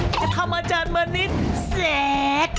จะทำอาจารย์มนิตรแซก